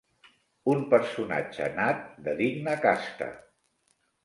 Un personatge nat de digna casta.